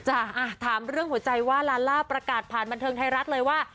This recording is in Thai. อ่ะอ่ะอ่ะถามเรื่องหัวใจลาล่าประกาศผ่านบรรเทิงไทรัศน์เลยว่า